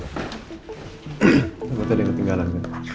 tidak ada yang ketinggalan